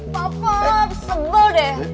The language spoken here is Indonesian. papa sebel deh